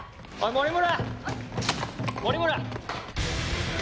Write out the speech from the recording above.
森村。